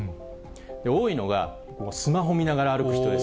多いのが、スマホ見ながら歩く人です。